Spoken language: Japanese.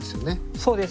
そうです。